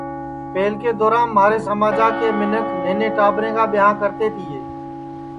پہلکے دورام مھارے سماجا کے منکھ نہنے ٹاٻریں کا ٻیاں کرتے تیے